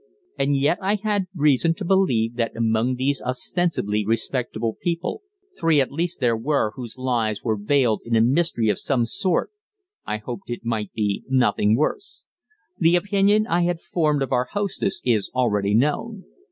And yet I had reason to believe that among these ostensibly respectable people three at least there were whose lives were veiled in a mystery of some sort I hoped it might be nothing worse. The opinion I had formed of our hostess is already known.